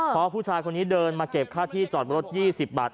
เพราะผู้ชายคนนี้เดินมาเก็บค่าที่จอดรถ๒๐บาท